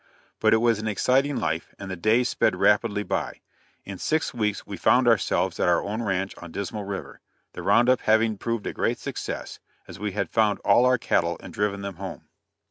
But it was an exciting life, and the days sped rapidly by; in six weeks we found ourselves at our own ranch on Dismal river, the round up having proved a great success, as we had found all our cattle and driven them home.